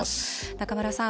中村さん